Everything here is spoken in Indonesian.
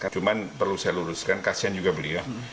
cuma perlu saya luruskan kasian juga beliau